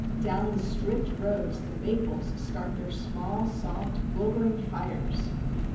Down the stripped roads the maples start their small, Soft, 'wildering fires.